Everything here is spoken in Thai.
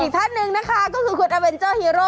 ท่านหนึ่งนะคะก็คือคุณอาเวนเจอร์ฮีโร่